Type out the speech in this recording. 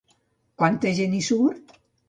Quanta gent hi surt?